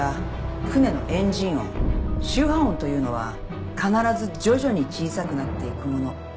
周波音というのは必ず徐々に小さくなっていくもの。